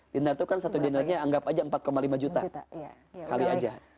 dinner itu kan satu dinnernya anggap aja empat lima juta kali aja